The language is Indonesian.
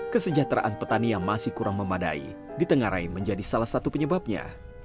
kesejahteraan petani yang masih kurang memadai ditengarai menjadi salah satu penyebabnya